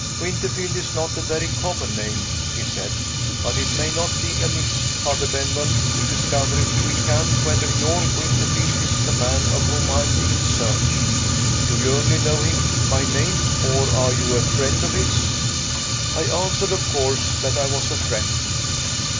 "Winterfield is not a very common name," he said. "But it may not be amiss, Father Benwell, to discover, if we can, whether your Winterfield is the man of whom I am in search. Do you only know him by name? or are you a friend of his?" I answered, of course, that I was a friend.